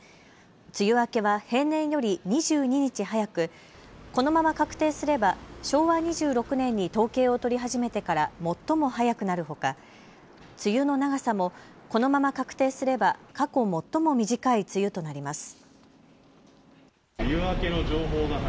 梅雨明けは平年より２２日早くこのまま確定すれば昭和２６年に統計を取り始めてから最も早くなるほか梅雨の長さもこのまま確定すれば過去、最も短い梅雨となります。